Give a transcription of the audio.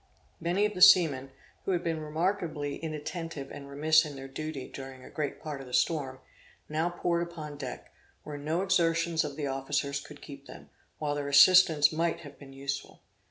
Many of the seamen, who had been remarkably inattentive and remiss in their duty during a great part of the storm, now poured upon deck, where no exertions of the officers could keep them, while their assistance might have been useful.